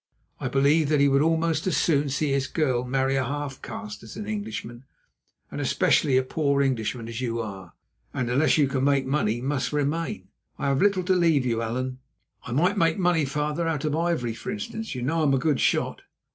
I believe that he would almost as soon see his girl marry a half caste as an Englishman, and especially a poor Englishman, as you are, and unless you can make money, must remain. I have little to leave you, Allan." "I might make money, father, out of ivory, for instance. You know I am a good shot."